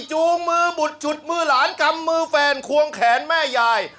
จูงมือบุดฉุดมือหลานกำมือแฟนควงแขนแม่ยาย